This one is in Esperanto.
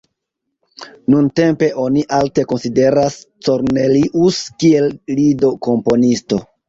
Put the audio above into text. Nuntempe oni alte konsideras Cornelius kiel lido-komponisto.